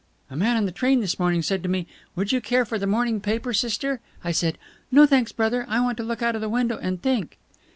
"A man on the train this morning said to me, 'Would you care for the morning paper, sister?' I said, 'No, thanks, brother, I want to look out of the window and think!'"